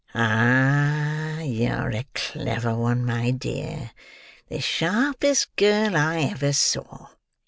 "Ha! you're a clever one, my dear: the sharpest girl I ever saw!"